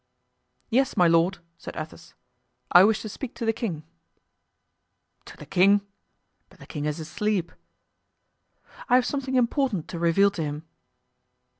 "Yes, my lord," said Athos, "I wish to speak to the king." "To the king! but the king is asleep." "I have something important to reveal to him."